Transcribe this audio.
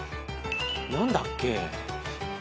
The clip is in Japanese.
何だっけ。